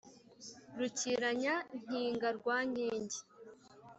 Rukiranya-nkiga rwa Nkingi